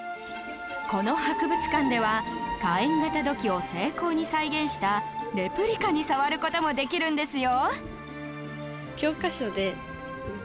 この博物館では火焔型土器を精巧に再現したレプリカに触る事もできるんですよ